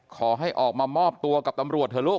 ขอให้ออกมามอบตัวกับตำรวจเถอะลูก